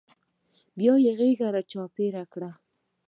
بيا يې غېږ رانه چاپېره کړه.